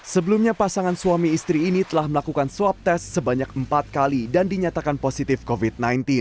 sebelumnya pasangan suami istri ini telah melakukan swab test sebanyak empat kali dan dinyatakan positif covid sembilan belas